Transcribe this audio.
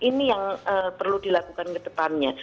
ini yang perlu dilakukan kedepannya